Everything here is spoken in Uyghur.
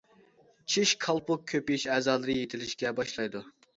چىش، كالپۇك، كۆپىيىش ئەزالىرى يېتىلىشكە باشلايدۇ.